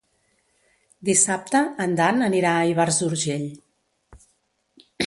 Dissabte en Dan anirà a Ivars d'Urgell.